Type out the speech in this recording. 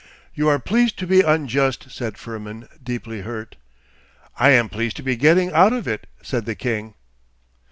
'You are pleased to be unjust,' said Firmin, deeply hurt. 'I am pleased to be getting out of it,' said the king.